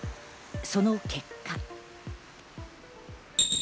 その結果。